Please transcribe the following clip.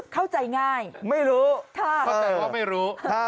เข้าใจง่ายหรือถ้าคิดว่าไม่รู้